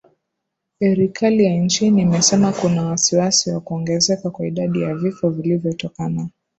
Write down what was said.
erikali ya nchini imesema kuna wasiwasi wa kuongezeka kwa idadi ya vifo vilivyotokana